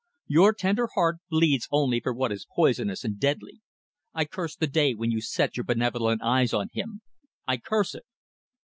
Your tender heart bleeds only for what is poisonous and deadly. I curse the day when you set your benevolent eyes on him. I curse it